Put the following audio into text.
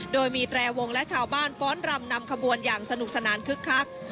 โดยมีแตรวงและชาวบ้านฟ้อนรำนำขบวนอย่างสนุกสนานคึกคัก